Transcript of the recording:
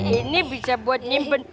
ini bisa buat nyimpen